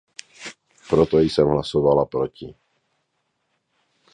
Proto jsem hlasovala proti.